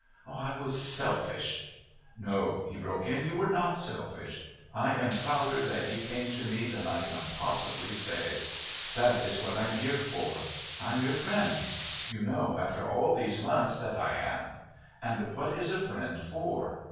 I was selfish " "No," he broke in, "you were not selfish. I am prouder that you came to me than I can possibly say. That is what I'm here for. I'm your friend. You know, after all these months, that I am. And what is a friend for?"